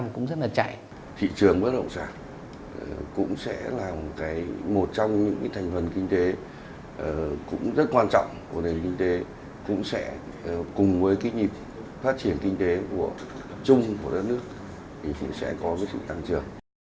cũng sẽ cùng với kinh nghiệm phát triển kinh tế của chung của đất nước sẽ có sự tăng trưởng